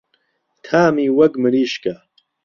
تامی وەک مریشکە.